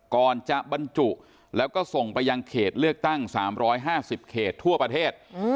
ก่อนจะบรรจุแล้วก็ส่งไปยังเขตเลือกตั้ง๓๕๐เขตทั่วประเทศ